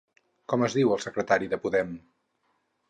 Com es diu el secretari de Podem?